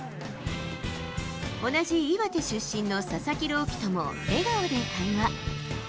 同じ岩手出身の佐々木朗希とも笑顔で会話。